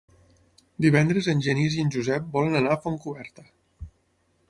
Divendres en Genís i en Josep volen anar a Fontcoberta.